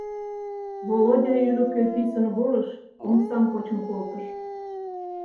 Володя ӱлыкӧ писын волыш, омсам почын колтыш...